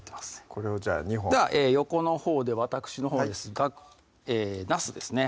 これをじゃあ２本では横のほうでわたくしのほうですがなすですね